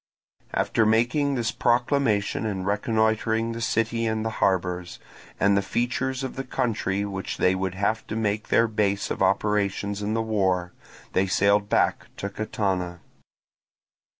After making this proclamation and reconnoitring the city and the harbours, and the features of the country which they would have to make their base of operations in the war, they sailed back to Catana.